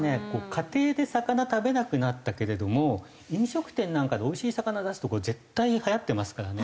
家庭で魚食べなくなったけれども飲食店なんかでおいしい魚出すところ絶対はやってますからね